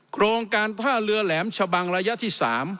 โครงการท่าเรือแหลมชะบังระยะที่๓